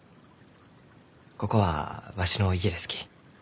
ここはわしの家ですき。